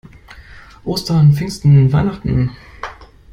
Ostern, Pfingsten, Weihnachten.